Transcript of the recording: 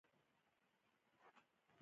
دا د نظریه ورکوونکو پر لیدلورو ولاړ دی.